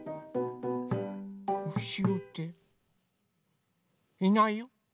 うしろっていないよ。